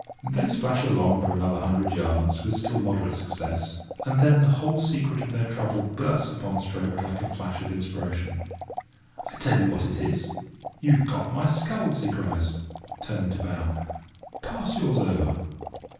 They splash along for another hundred yards with still moderate success, and then the whole secret of their trouble bursts upon stroke like a flash of inspiration. "I tell you what it is: you've got my sculls," he cries, turning to bow; "pass yours over."